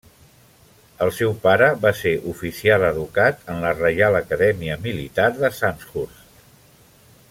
El seu pare va ser oficial educat en la Reial Acadèmia Militar de Sandhurst.